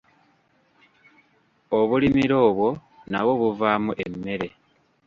Obulimiro obwo nabwo buvaamu emmere.